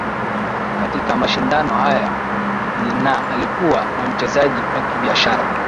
Katika mashindano hayo na alikuwa na mchezaji wa kibiashara